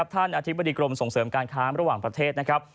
อธิบดีกรมส่งเสริมการค้าระหว่างประเทศนะครับ